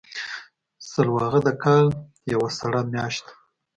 سلواغه د کال یوه سړه میاشت ده.